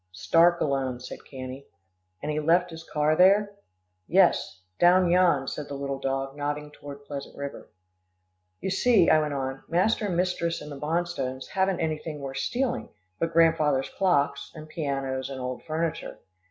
"Stark alone," said Cannie. "And he left his car there?" "Yes, down yon," said the little dog, nodding toward Pleasant River. "You see," I went on, "master and mistress and the Bonstones haven't anything worth stealing, but grandfathers' clocks, and pianos, and old furniture.